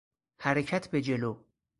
حرکت به جلو